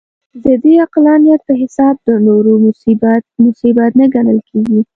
د دې عقلانیت په حساب د نورو مصیبت، مصیبت نه ګڼل کېږي.